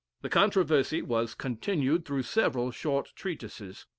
The controversy was continued through several short treatises.